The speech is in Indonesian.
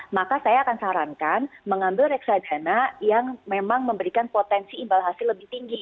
maka saya akan sarankan mengambil reksadana yang memang memberikan potensi imbal hasil lebih tinggi